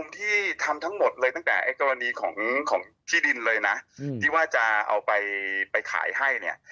ที่ทำทั้งหมดเลยของที่ดินเลยนะที่ว่าจะเอาไปไปขายให้